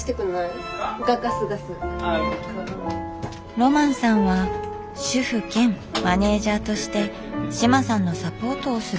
ロマンさんは主夫兼マネージャーとして志麻さんのサポートをすることに。